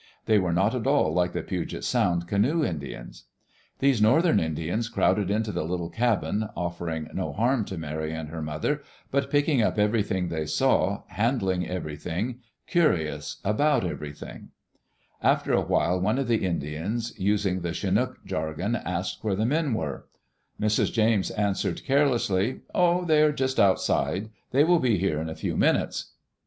They were not at all like the Puget Sound canoe Indians. These northern Indians crowded into the little cabin, offering no harm to Mary and her mother, but picking up everything they saw, handling everything, curious about everything. After a while, one of the Indians, using the Chinook jargon, asked where the men were. Mrs. James answered Digitized by CjOOQ IC THE LIFE OF THE CHILDREN carelessly, "Oh, they are just outside. They will be here in a few minutes."